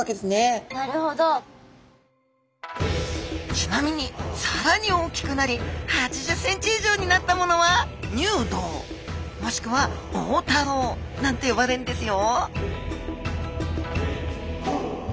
ちなみにさらに大きくなり８０センチ以上になったものは入道もしくは大太郎なんて呼ばれるんですよ